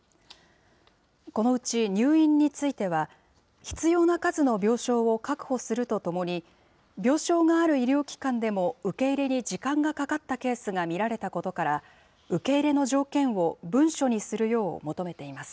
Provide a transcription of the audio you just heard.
このうち、入院については、必要な数の病床を確保するとともに、病床がある医療機関でも受け入れに時間がかかったケースが見られたことから、受け入れの条件を文書にするよう求めています。